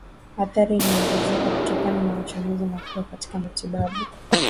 athari anaongezeka kutokana na matumizi makubwa katika matibabu